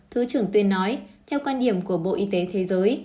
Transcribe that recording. thứ trưởng tuyên nói theo quan điểm của bộ y tế thế giới